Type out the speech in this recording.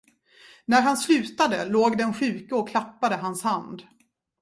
När han slutade, låg den sjuke och klappade hans hand.